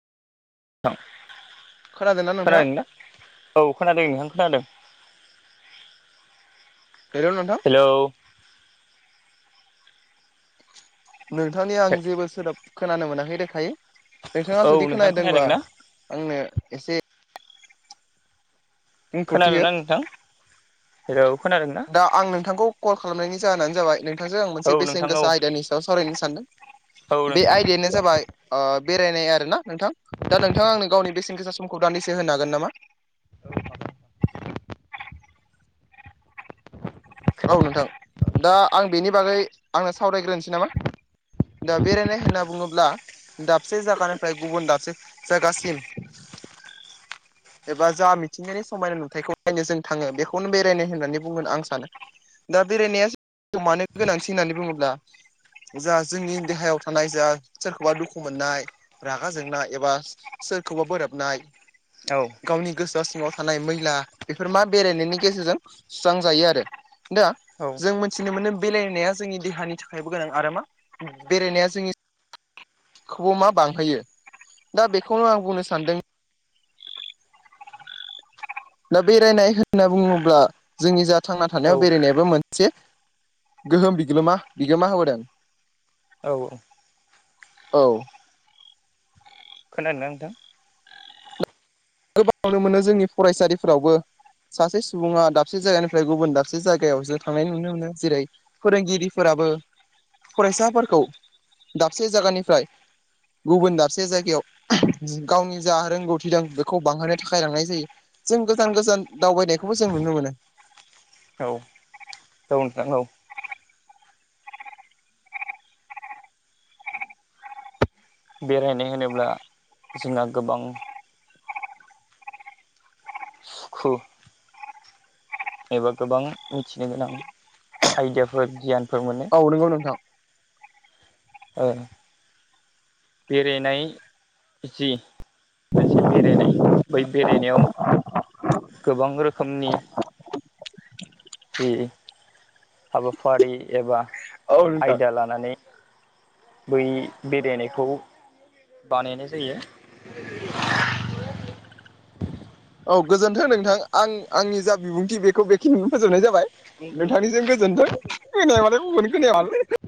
hello खोनादोंना औ खोनादों नोंथां खोनादों हेलौ नोंथां हेलौ नोंथांनि आं जेबो सोदोब खोनानो मोनाखै रोखायो नोंथाङा औ जुदि नोंथां खोनादों खोनादोंबा ना आंनो एसे बुंफोरथि खोनादों हो ना नोंथां हेलौ खोनादों ना दा आं नोंथांखौ कल खालामनायनि जाहोनानो जाबाय नोंथांजों आं औ मोनसे बेसेन नोंथां औ गोसा आयदायानि सायाव सावरायनो सानदों औ बे आयदायानो जाबाय अ बेरायनाय आरो ना नोंथां दा नोंथाङा आंनो गावनि बेसेन गोसा समखौ दान्दिसे होनो हागोन नामा औ हागोन [unintelligible] औ नोंथां दा आं बेनि बागै आंनो सावरायग्रोनोसै नामा दा बेरायनाय होनना बुङोब्ला दाबसे जायगानिफ्राय गुबुन दाबसे जायगासिम [inaudible] एबा जा मिथिंगायानि समायना नुथायखौ नायनो जों थाङो बेखौनो बेरायनाय होननानै बुंगोन आं सानो दा बेरायनाया मानो गोनांथि होननानै बुङोब्ला जा जोंनि देहायाव थानाय जा सोरखौबा दुखु मोननाय रागा जोंनाय एबा सोरखौबा बोरोबनाय औ गावनि गोसोआ सिङाव थानाय मैला बेफोर मा बेरायनायनि गेजेरजों सुस्रांजायो आरो दा औ जों मिथिनो मोनो बेरायनाया जोंनि देहानि थाखायबो गोनां आरो मा बेरायनाया जोंनि खौबो मा बांहोयो दा बेखौनो आं बुंनो सानदों दा बेरायनाय होनना बुङोब्ला जोंनि जा थांना औ थानायाव बेरायनायाबो मोनसे गोहोम बिग्लोमा बिगोमा होबोदों औ औ औ खोनादों नोंथां गोबां नुनो मोनो जोंनि फरायसालिफोरावबो सासे सुबुङा दाबसे जायगानिफ्राय गुबुन दाबसे जायगायावसो थांनाय नुनो मोनो जेरै फोरोंगिरिफोराबो फरायसाफोरखौ दाबसे जायगानिफ्राय गुबुन दाबसे जायगायाव गावनि जा रोंगौथि दं खौ बांहोनो थाखाय लांनाय जायो जों गोजान गोजान दावबायनायखौबो जों नुनो मोनो औ औ नोंथां औ बेरायनाय होनोब्ला जोंहा गोबां [unintelligible] एबा गोबां मिथिनो गोनां आइदियाफोर गियानफोर मोनो औ नंगौ नोंथां ओ बेरायनाय जि मोनसे बेरायनाय बै बेरायनायाव गोबां रोखोमनि जि हाबाफारि एबा औ नोंथां आयदा लानानै बै बेरायनाय खौ बानायनाय जायो औ गोजोन्थों नोंथां आं आंनि जा बिबुंथि बेखौ बेखिनि फोजोबनाय जाबाय नोंथांनि जों गोजोन्थों [unintelligible]